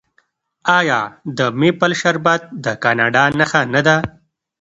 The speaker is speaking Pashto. آیا د میپل شربت د کاناډا نښه نه ده؟